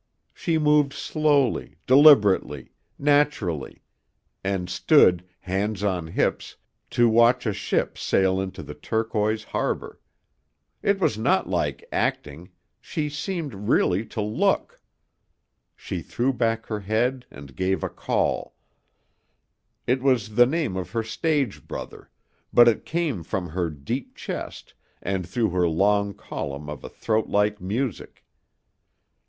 She moved slowly, deliberately, naturally, and stood, hands on hips, to watch a ship sail into the turquoise harbor. It was not like acting, she seemed really to look. She threw back her head and gave a call. It was the name of her stage brother, but it came from her deep chest and through her long column of a throat like music.